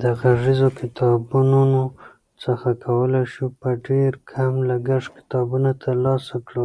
د غږیزو کتابتونونو څخه کولای شو په ډېر کم لګښت کتابونه ترلاسه کړو.